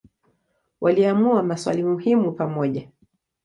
Waliamua maswali muhimu pamoja.